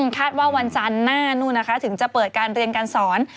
คาดว่าวันจันทร์หน้านู่นนะคะถึงจะเปิดการเรียนการสอน